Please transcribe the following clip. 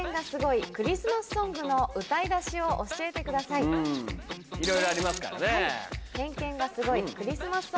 いろいろありますからね。